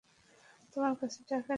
তোমার কাছে টাকা নেই?